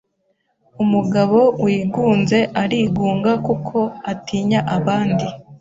Umugabo wigunze arigunga kuko atinya abandi.